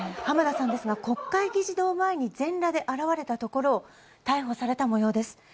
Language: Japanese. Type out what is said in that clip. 浜田さんですが国会議事堂前に全裸で現れたところを逮捕されたもようです